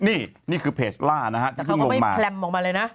นี่นี่คือเพจล่านะฮะที่พึ่งลงมาแต่เขาก็ไม่แพร่มออกมาเลยนะ